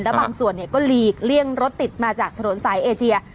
และบางส่วนก็หลีกเลี่ยงรถติดมาจากถนนสายเอเชีย